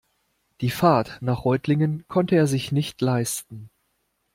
Die Fahrt nach Reutlingen konnte er sich nicht leisten